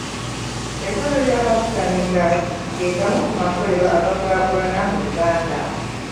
Ekkolero ly'amafuta ne ggaasi ge gamu ku makolero agakulaakulana mu Uganda.